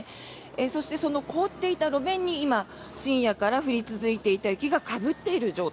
そして、その凍っていた路面に今、深夜から降り続いていた雪がかぶっている状態。